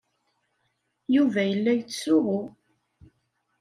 Yuba yella yettsuɣu.